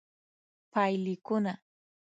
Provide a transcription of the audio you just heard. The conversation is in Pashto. پایلیکونه: